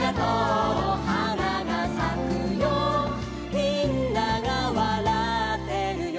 「みんながわらってるよ」